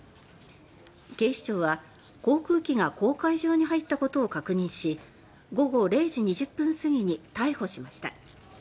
警視庁は、航空機が公海上に入ったことを確認し午後０時２０分過ぎに逮捕しました。